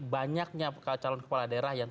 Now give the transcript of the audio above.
banyaknya calon kepala daerah yang